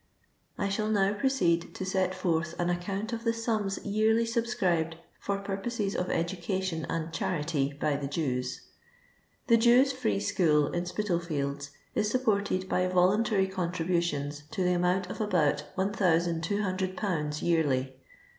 I shall now proceed to set forth an account of the sums yearly subscribed for purposes of educa tion nnd charity by the Jews. The Jews' Free School in Spitalfields is sup ported by voluntary contributions to the amount of about 1200/. yearly.